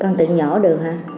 con tự nhổ được hả